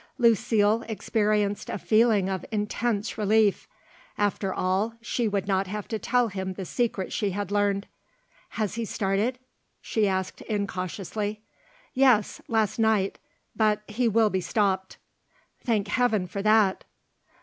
Lucile experienced a feeling of intense relief. After all she would not have to tell him the secret she had learned. "Has he started?" she asked incautiously. "Yes, last night; but he will be stopped." "Thank heaven for that!"